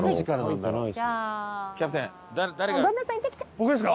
僕ですか？